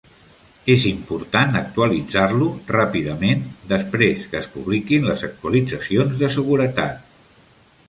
És important actualitzar-lo ràpidament després que es publiquin les actualitzacions de seguretat.